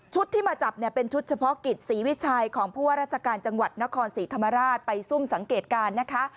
ที่มาจับเนี่ยเป็นชุดเฉพาะกิจศรีวิชัยของผู้ว่าราชการจังหวัดนครศรีธรรมราชไปซุ่มสังเกตการณ์นะคะ